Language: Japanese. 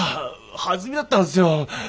はずみだったんですよ。